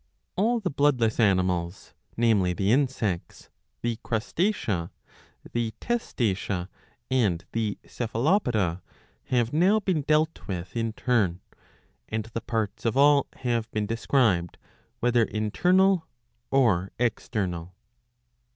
All the bloodless animals, namely the Insects, the Crustacea, the Testacea, and the Cephalopoda, have now been dealt with in turn; and the parts of .all have been described, whether internal or external.